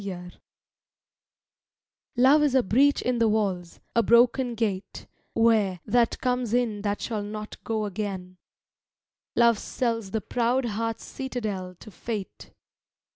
LOVE Love is a breach in the walls, a broken gate, Where that comes in that shall not go again; Love sells the proud heart's citadel to Fate.